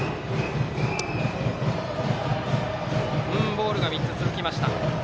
ボールが３つ続きました。